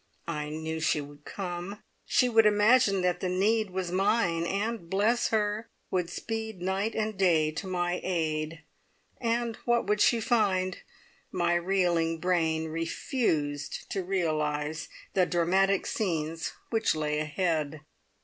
I knew she would come! She would imagine that the need was mine, and, bless her! would speed night and day to my aid. And what would she find? My reeling brain refused to realise the dramatic scenes which lay ahead!